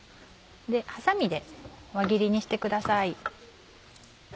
ハサミで輪切りにしてください。